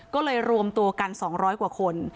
ก็เลยรวมตัวกัน๒๐๐กว่าคน